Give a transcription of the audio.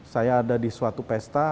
saya ada di suatu pesta